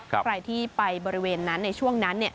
ใครที่ไปบริเวณนั้นในช่วงนั้น